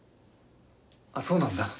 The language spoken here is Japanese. あっそうなんだ。